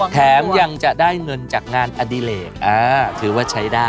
แถมยังจะได้เงินจากงานอดิเลกถือว่าใช้ได้